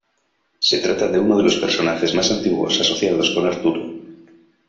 Se trata de uno de los personajes más antiguos asociados con Arturo.